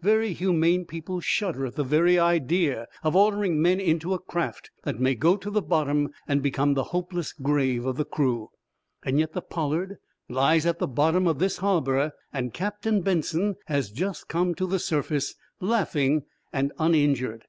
Very humane people shudder at the very idea of ordering men into a craft that may go to the bottom and become the hopeless grave of the crew. Yet the 'Pollard' lies at the bottom of this harbor, and Captain Benson has just come to the surface, laughing and uninjured."